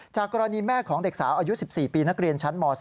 กรณีแม่ของเด็กสาวอายุ๑๔ปีนักเรียนชั้นม๒